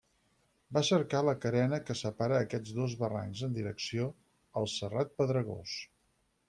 Va a cercar la carena que separa aquests dos barrancs, en direcció al Serrat Pedregós.